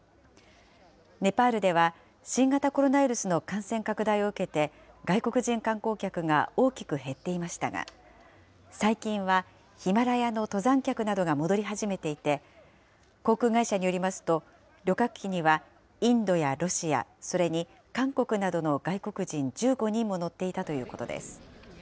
ネパールでは、新型コロナウイルスの感染拡大を受けて、外国人観光客が大きく減っていましたが、最近はヒマラヤの登山客などが戻り始めていて、航空会社によりますと、旅客機にはインドやロシア、それに韓国などの外国人１５人も乗っていたということです。